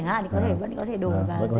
thay đổi có thể đổi được